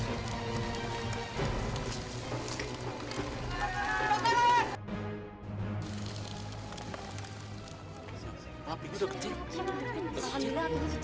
apik itu kecil